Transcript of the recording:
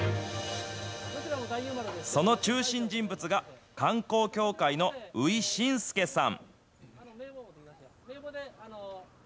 その中心人物が、観光協会の宇井晋介さん。